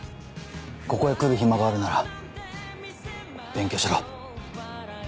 ここへ来る暇があるなら勉強しろ。